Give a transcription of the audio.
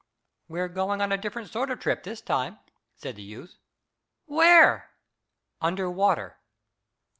"We're going on a different sort of trip this time," said the youth. "Where?" "Under water."